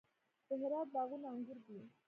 د هرات باغونه انګور دي